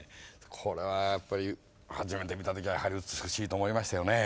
これはやっぱり初めて見た時はやはり美しいと思いましたよね。